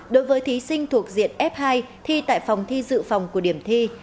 đối với thí sinh thuộc diện f hai thi tại phòng thi dự phòng của điểm thi